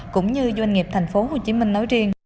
cũng như doanh nghiệp thành phố hồ chí minh nói riêng